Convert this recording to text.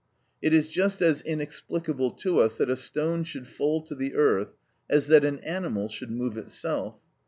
It is just as inexplicable to us that a stone should fall to the earth as that an animal should move itself.